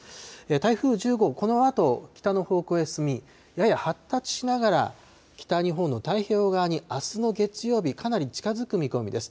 台風１０号、このあと北の方向へ進み、やや発達しながら北日本の太平洋側にあすの月曜日、かなり近づく見込みです。